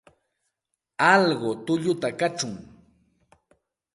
Alqu tulluta kachun.